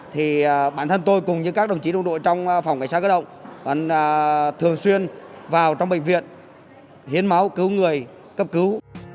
thì bản thân tôi cùng như các đồng chí đồng đội trong phòng cảnh sát cơ động vẫn thường xuyên vào trong bệnh viện hiến máu cứu người cấp cứu